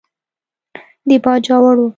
د باجوړ و.